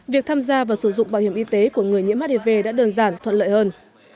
việc tham gia và sử dụng bảo hiểm y tế của người nhiễm hiv đã đơn giản thuận lợi hơn